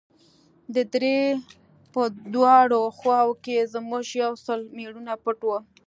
د درې په دواړو خواوو کښې زموږ يو سل مېړونه پټ وو.